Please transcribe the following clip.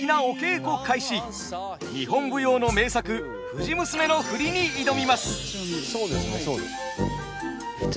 日本舞踊の名作「藤娘」の振りに挑みます。